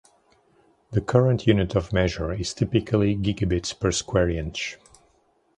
The current unit of measure is typically gigabits per square inch.